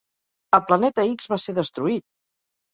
El Planeta X va ser destruït!